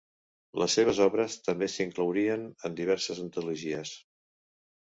Les seves obres també s'inclourien en diverses antologies.